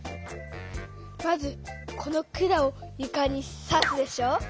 まずこの管をゆかにさすでしょ。